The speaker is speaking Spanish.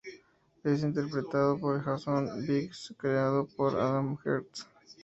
Es interpretado por Jason Biggs, Creado por Adam Herz.